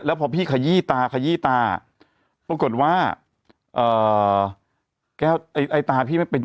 แล้วพอพี่ขยี้ตาขยี้ตาปรากฏว่าแก้วไอ้ตาพี่ไม่เป็น